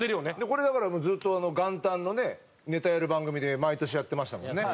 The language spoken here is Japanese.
これだからずっと元旦のねネタやる番組で毎年やってましたもんね。